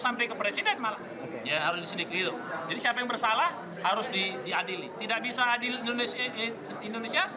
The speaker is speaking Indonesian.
sampai ke presiden malah jadi siapa yang bersalah harus diadili tidak bisa adil indonesia